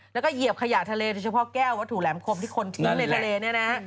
และเงียบขยาทะเลเฉพาะแก้ววัตถุหรามโคบที่คนถึงในทะเลนี่นะ